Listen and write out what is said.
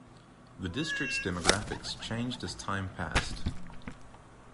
The district's demographics changed as time passed.